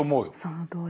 そのとおり。